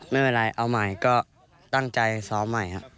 ไม่เป็นไรเอาใหม่ก็ตั้งใจซ้อมใหม่ครับ